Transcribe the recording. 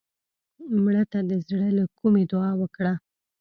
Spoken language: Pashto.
مړه ته د زړه له کومې دعا وکړه